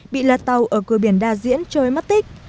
bị lật tàu ở cửa biển đa diễn trôi mất tích